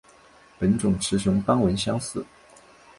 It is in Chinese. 本种雌雄斑纹相似。